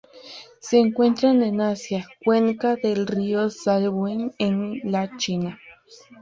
Se encuentran en Asia: cuenca del río Salween en la China.